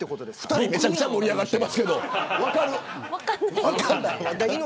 ２人めちゃくちゃ盛り上がってますけど。